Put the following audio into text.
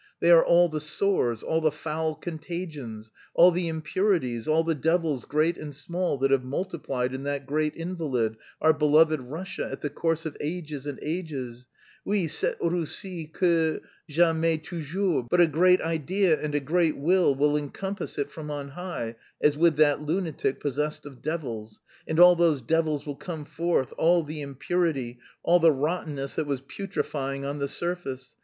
They are all the sores, all the foul contagions, all the impurities, all the devils great and small that have multiplied in that great invalid, our beloved Russia, in the course of ages and ages. Oui, cette Russie que j'aimais toujours. But a great idea and a great Will will encompass it from on high, as with that lunatic possessed of devils... and all those devils will come forth, all the impurity, all the rottenness that was putrefying on the surface